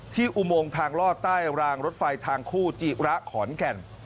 อุโมงทางลอดใต้รางรถไฟทางคู่จิระขอนแก่น